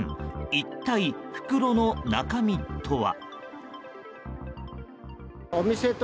一体、袋の中身とは。